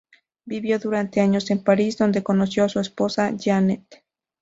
Vivió durante años en París, donde conoció a su esposa, Jeanette.